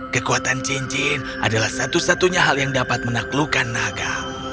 kekuatan cincin adalah satu satunya hal yang dapat menaklukkan naga